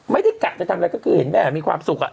ไม่ได้กัดจะทำอะไรก็คือเห็นแม่มีความสุขอะ